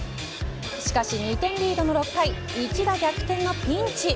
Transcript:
しかし２点リードの６回一打逆転のピンチ。